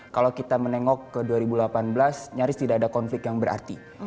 kalau kita menengok ke dua ribu delapan belas nyaris tidak ada konflik yang berarti